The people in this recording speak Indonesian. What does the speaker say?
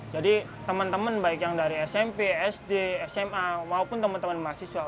jadi teman teman baik yang dari smp sd sma maupun teman teman mahasiswa